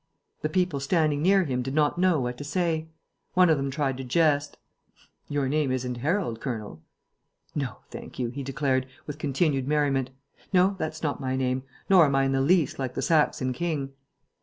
The people standing near him did not know what to say. One of them tried to jest: "Your name isn't Harold, Colonel?" "No, thank you," he declared, with continued merriment. "No, that's not my name; nor am I in the least like the Saxon king."